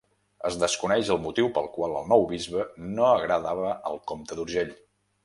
Es desconeix el motiu pel qual el nou bisbe no agradava al comte d’Urgell.